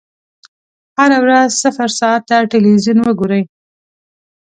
هره ورځ صفر ساعته ټلویزیون وګورئ.